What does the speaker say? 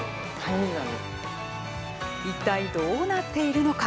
一体どうなっているのか。